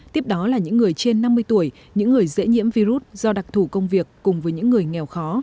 tiếp đó là những người trên năm mươi tuổi những người dễ nhiễm virus do đặc thủ công việc cùng với những người nghèo khó